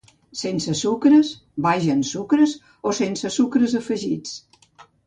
“Sense sucres”, “baix en sucres” o “sense sucres afegits”.